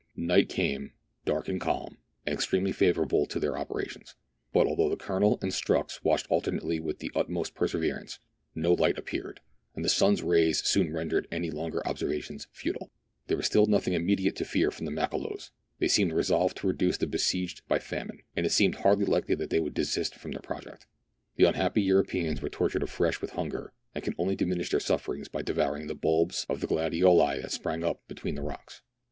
Night came, dark and calm, and extremely favourable to their operations ; but although the Colonel and Strux watched alternately with the utmost perseverance, no light appeared, and the sun's rays soon rendered any longer observations futile. There was still nothing immediate to fear from the Makololos ; they seemed resolved to reduce the besieged by famine, and it seemed hardly likely that they would desist from their project. The unhappy Europeans were tortured afresh with hunger, and could only diminish their sufferings by devouring the bulbs of the gladioli that sprang up between the rocks.